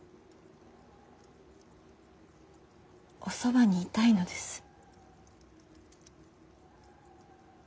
おそばにいたいのです。